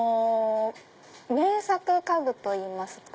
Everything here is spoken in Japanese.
名作家具といいますか。